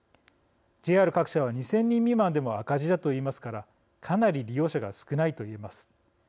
ＪＲ各社は、２０００人未満でも赤字だといいますからかなり利用者が少ないといえます。